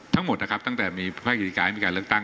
ทั้งหมดนะครับตั้งแต่มีภาคกิจการให้มีการเลือกตั้ง